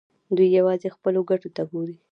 دوی یوازې خپلو ګټو ته ګوري.